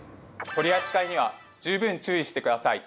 取りあつかいには十分注意してください。